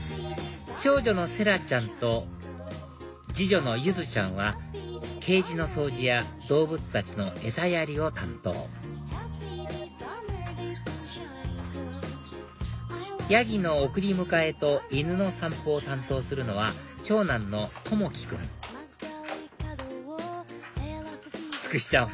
長女のせらちゃんと次女のゆずちゃんはケージの掃除や動物たちの餌やりを担当ヤギの送り迎えと犬の散歩を担当するのは長男の和毅君つくしちゃん